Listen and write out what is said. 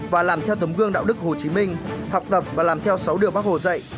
và làm theo tấm gương đạo đức hồ chí minh học tập và làm theo sáu điều bác hồ dạy